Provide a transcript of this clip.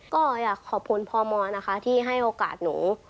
ก็อยากขอบคุณพมนะคะที่ให้โอกาสหนู